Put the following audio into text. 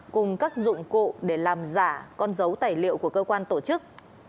cùng các dụng cụ để làm giả con dấu tài liệu của cơ quan tổ chức